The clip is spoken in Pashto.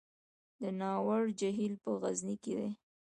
د ناور جهیل په غزني کې دی